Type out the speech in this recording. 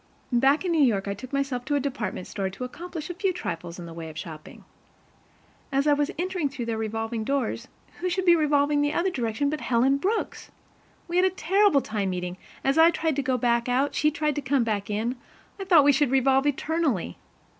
Back in New York, I took myself to a department store to accomplish a few trifles in the way of shopping. As I was entering through their revolving doors, who should be revolving in the other direction but Helen Brooks! We had a terrible time meeting, as I tried to go back out, and she tried to come back in; I thought we should revolve eternally.